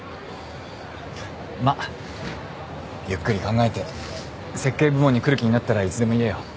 まっゆっくり考えて設計部門に来る気になったらいつでも言えよ。